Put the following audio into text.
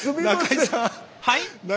はい？